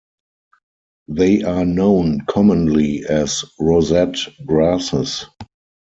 They are known commonly as rosette grasses.